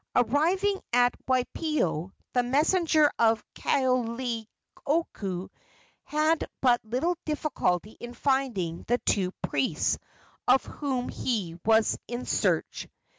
Arriving at Waipio, the messenger of Kaoleioku had but little difficulty in finding the two priests of whom he was in search.